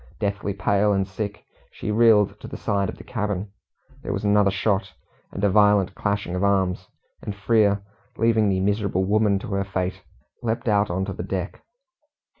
Deathly pale and sick, she reeled to the side of the cabin. There was another shot, and a violent clashing of arms; and Frere, leaving the miserable woman to her fate, leapt out on to the deck.